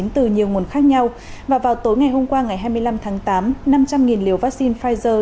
từ nhiều nguồn khác nhau và vào tối ngày hôm qua ngày hai mươi năm tháng tám năm trăm linh liều vaccine pfizer